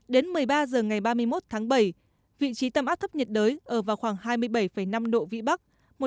đến một mươi ba h ngày ba mươi một tháng bảy vị trí tâm áp thấp nhiệt đới ở vào khoảng hai mươi bảy năm độ vĩ bắc